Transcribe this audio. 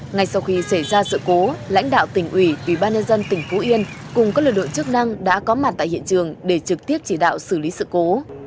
ngay sau khi xảy ra sự cố lãnh đạo tỉnh ủy ủy ban nhân dân tỉnh phú yên cùng các lực lượng chức năng đã có mặt tại hiện trường để trực tiếp chỉ đạo xử lý sự cố